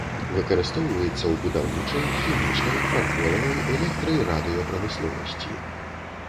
Выкарыстоўваецца ў будаўнічай, хімічнай, фарфоравай, электра- і радыёпрамысловасці.